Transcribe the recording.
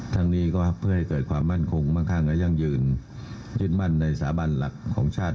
ทั้งนี้ก็เพื่อให้เกิดความมั่นคงมั่งข้างและยั่งยืนยึดมั่นในสาบันหลักของชาติ